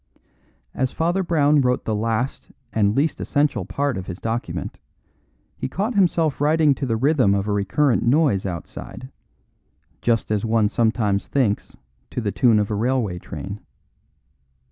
As Father Brown wrote the last and least essential part of his document, he caught himself writing to the rhythm of a recurrent noise outside, just as one sometimes thinks to the tune of a railway train.